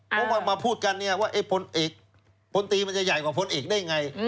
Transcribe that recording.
พวกมันมาพูดกันว่าพนเอกพนตีมันจะใหญ่กว่าพนเอกได้อย่างไร